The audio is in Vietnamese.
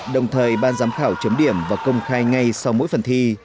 đồng thời ban giám khảo chấm điểm và công khai ngay sau mỗi phần thi